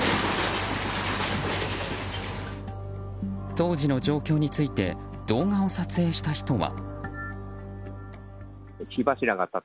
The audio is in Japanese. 当時の状況について動画を撮影した人は。